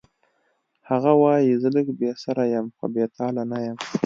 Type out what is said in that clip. هغه وایی زه لږ بې سره یم خو بې تاله نه یم